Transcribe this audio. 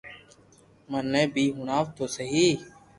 مني بي ھڻاو تو سھي